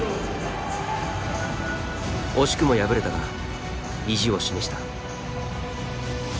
惜しくも敗れたが意地を示した。